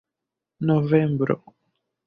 novembro